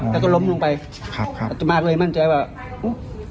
แล้วก็ล้มลงไปครับครับอาจจะมาเร็วมั่นใจว่ามะ